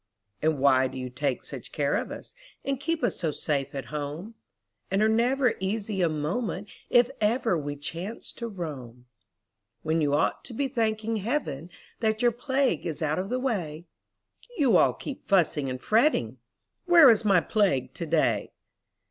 And why do you take such care of us, And keep us so safe at home, And are never easy a moment If ever we chance to roam? When you ought to be thanking Heaven That your plague is out of the way, You all keep fussing and fretting "Where is my Plague to day?"